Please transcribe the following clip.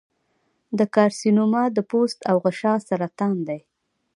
د کارسینوما د پوست او غشا سرطان دی.